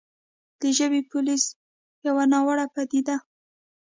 د «ژبې پولیس» يوه ناوړې پديده